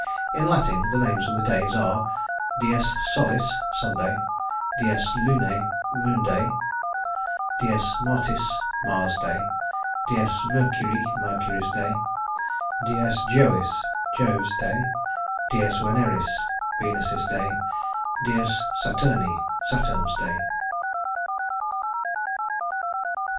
In Latin, the names of the days are dies Solis (Sunday); dies Lunæ (Moon day); dies Martis (Mars' day); dies Mercurii (Mercury's day); dies Jovis (Jove's day); dies Veneris (Venus's day); dies Saturni (Saturn's day).